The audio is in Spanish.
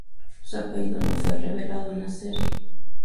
Su apellido no fue revelado en la serie.